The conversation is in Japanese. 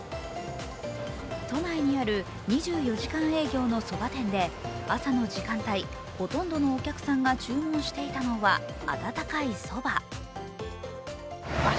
都内にある２４時間営業のそば店で朝の時間帯、ほとんどのお客さんが注文していたのは温かいそば。